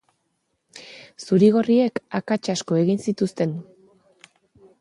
Zuri-gorriek akats asko egin zituzten.